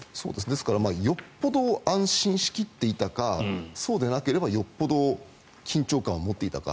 ですから、よっぽど安心しきっていたかそうでなければよっぽど緊張感を持っていたか。